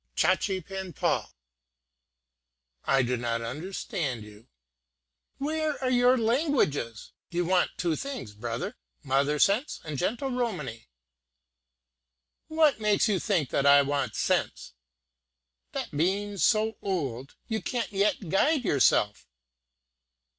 "Chachipen Pal." "I do not understand you." "Where are your languages? you want two things, brother: mother sense, and gentle Romany." "What makes you think that I want sense?" "That being so old, you can't yet guide yourself!"